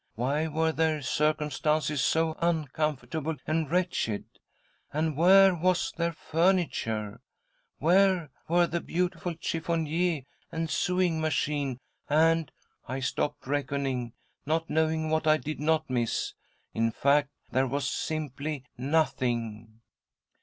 Why were their circumstances so uncom fortable and wretched ? And where was their furniture ? Where were the beautiful chiffonier and sewing machine and— — I stopped reckoning, not knowing what I did not miss. In fact, there was simply nothing.